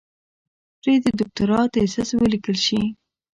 پرې د دوکتورا تېزس وليکل شي.